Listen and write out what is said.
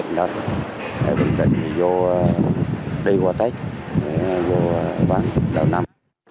còn hiện nay thì các tàu bình định bình định thì vô đi qua tết vô bán tàu năm